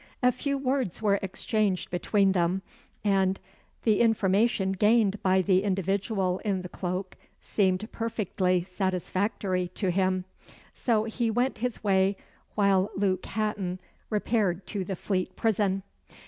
A few words were exchanged between them, and, the information gained by the individual in the cloak seemed perfectly satisfactory to him. So he went his way, while Luke Hatton repaired to the Fleet Prison.